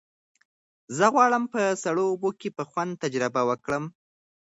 زه غواړم په سړو اوبو کې په خوند تجربه وکړم.